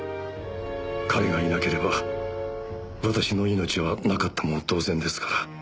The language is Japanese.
彼がいなければ私の命はなかったも同然ですから。